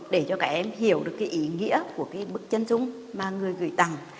để cho các em hiểu được ý nghĩa của bức chân dung mà người gửi tặng